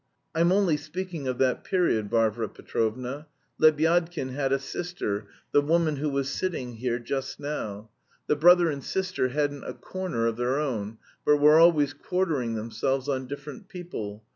I'm only speaking of that period, Varvara Petrovna. Lebyadkin had a sister, the woman who was sitting here just now. The brother and sister hadn't a corner* of their own, but were always quartering themselves on different people.